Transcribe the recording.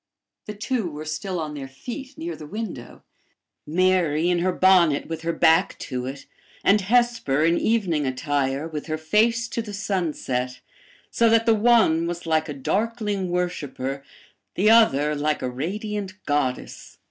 The two were still on their feet, near the window Mary, in her bonnet, with her back to it, and Hesper, in evening attire, with her face to the sunset, so that the one was like a darkling worshiper, the other like the radiant goddess.